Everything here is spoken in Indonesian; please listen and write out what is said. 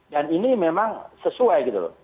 dan ini memang sesuai gitu loh